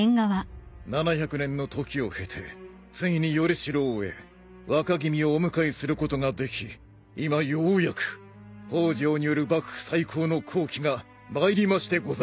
７００年の時を経てついにより代を得若君をお迎えすることができ今ようやく北条による幕府再興の好機が参りましてござります。